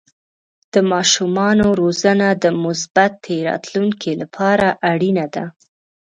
د ماشومانو روزنه د مثبتې راتلونکې لپاره اړینه ده.